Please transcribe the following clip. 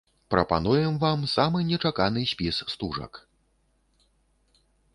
Прапануем вам самы нечаканы спіс стужак.